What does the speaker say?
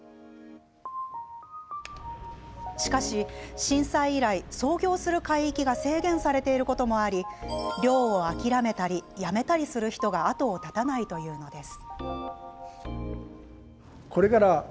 しかし、震災以来、操業する海域が制限されていることもあり漁を諦めたり、辞めたりする人が後を絶たないというのです。